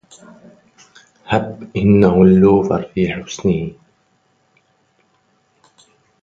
هَب أنَّه اللوفَر في حسنه